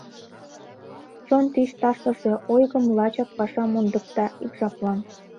Чон тич ташлыше ойгым Лачак паша мондыкта ик жаплан.